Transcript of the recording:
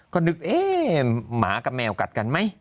ก็นึกหมากับแหมวกัดกันไหม